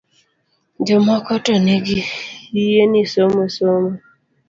Jomoko to nigi yie ni somo somo